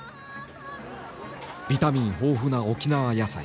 ビタミン豊富な沖縄野菜。